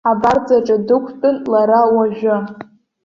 Абарҵаҿы дықәтәан лара уажәы.